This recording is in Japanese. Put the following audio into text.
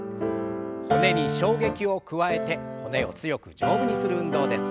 骨に衝撃を加えて骨を強く丈夫にする運動です。